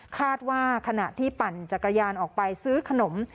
คาดว่าขณะที่ปั่นจักรยานออกไปซื้อขนม